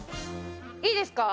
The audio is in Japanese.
いいですか？